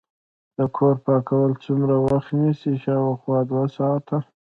د کور پاکول څومره وخت نیسي؟ شاوخوا دوه ساعته